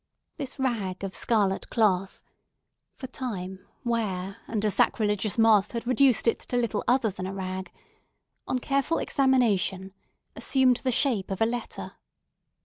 This rag of scarlet cloth—for time, and wear, and a sacrilegious moth had reduced it to little other than a rag—on careful examination, assumed the shape of a letter.